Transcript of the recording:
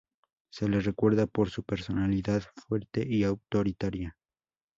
Se le recuerda por su personalidad fuerte y autoritaria.